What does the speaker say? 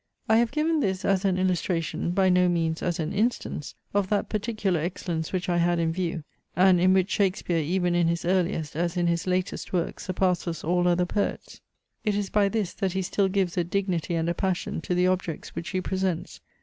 I have given this as an illustration, by no means as an instance, of that particular excellence which I had in view, and in which Shakespeare even in his earliest, as in his latest, works surpasses all other poets. It is by this, that he still gives a dignity and a passion to the objects which he presents.